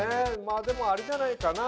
でもあれじゃないかな？